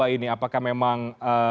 dua ribu dua puluh dua ini apakah memang